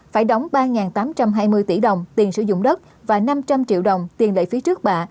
phải đóng ba tám trăm hai mươi tỷ đồng tiền sử dụng đất và năm trăm linh triệu đồng tiền lệ phí trước bạ